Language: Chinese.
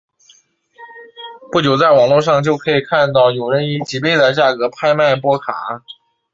不久在网络上就可以看到有人以几倍的价格拍卖波卡。